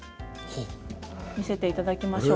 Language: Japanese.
見せていただきましょう。